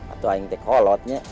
atuh aing tekolotnya